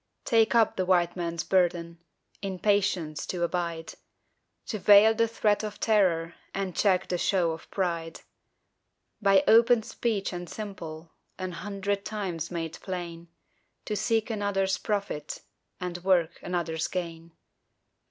Take up the White Man's burden In patience to abide, To veil the threat of terror And check the show of pride; By open speech and simple, An hundred times made plain, To seek another's profit, And work another's gain.